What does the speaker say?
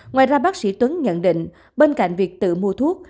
ngoài ra bác sĩ tuấn nhận định bên cạnh việc tự mua thuốc